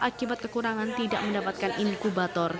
akibat kekurangan tidak mendapatkan inkubator